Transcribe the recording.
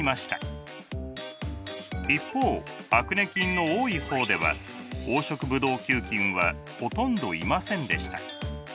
一方アクネ菌の多い方では黄色ブドウ球菌はほとんどいませんでした。